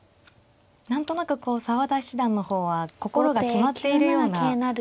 何となく澤田七段の方は心が決まっているような。